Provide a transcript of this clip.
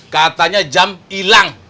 katanya jam hilang